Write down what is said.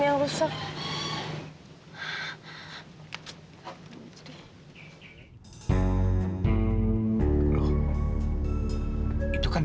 misalnya aku menggunakan topiknya